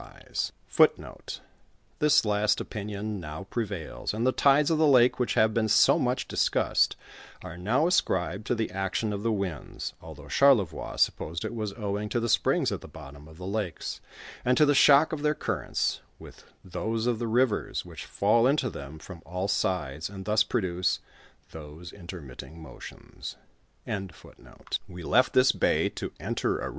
^ I put some into my * The last opinion now prevails^ and the tides of the lake which hare been so much discussed, are now ascribed to the action of the winds, although Clinrle Toix supposed it was owing to the springs at the bottom of the lakes^ and to the shock of their currents, with those of the rivers, which fall into them from all sides, and thus produce those intermitting motions .